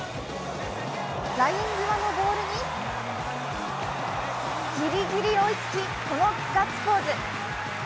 ライン際のボールにギリギリ追いつき、このガッツポーズ。